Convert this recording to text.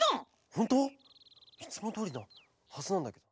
ホント？いつもどおりなはずなんだけど。